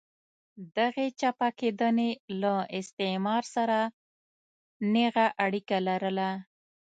دغې چپه کېدنې له استعمار سره نېغه اړیکه لرله.